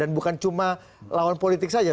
dan bukan cuma lawan politik saja